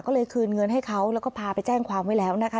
ก็เลยคืนเงินให้เขาแล้วก็พาไปแจ้งความไว้แล้วนะคะ